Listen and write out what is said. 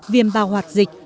viêm bao hoạt dịch